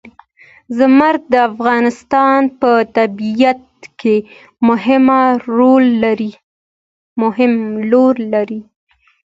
زمرد د افغانستان په طبیعت کې مهم رول لري.